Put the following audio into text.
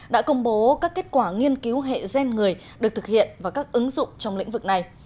đã công bố các kết quả nghiên cứu hệ gen người được thực hiện vào các ứng dụng trong lĩnh vực này